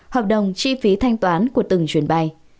hợp đồng chi phí thanh toán của từng chuyến bay